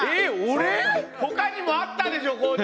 ほかにもあったでしょう